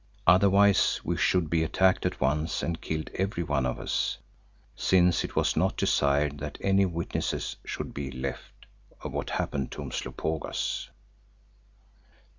Otherwise we should be attacked at once and killed every one of us, since it was not desired that any witnesses should be left of what happened to Umslopogaas.